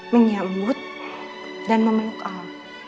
menyambut dan memeluk al